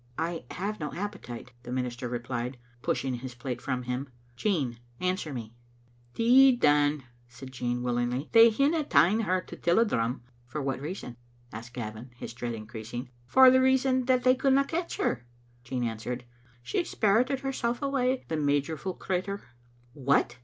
" "I have no appetite," the minister replied, pushing his plate from him. "Jean, answer me." " 'Deed, then," said Jean willingly, " they hinna ta'en her toTillie^rum." " For what reason?" asked Gavin, his dread increasing. "For the reason that they couldna catch her," Jean answered. "She spirited hersel awa', the magerful crittur." " What